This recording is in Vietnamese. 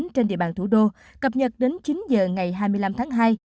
trên địa bàn thủ đô cập nhật đến chín giờ ngày hai mươi năm tháng hai